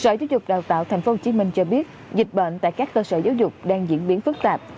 sở giáo dục đào tạo tp hcm cho biết dịch bệnh tại các cơ sở giáo dục đang diễn biến phức tạp